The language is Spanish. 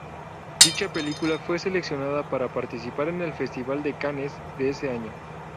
Dicha película fue seleccionada para participar en el Festival de Cannes de ese año.